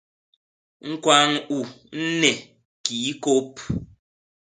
ñkwañ u nne kii kôp.